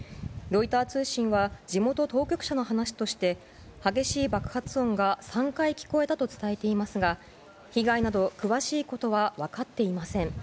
ロイター通信は地元当局者の話として激しい爆発音が３回聞こえたと伝えていますが被害など詳しいことは分かっていません。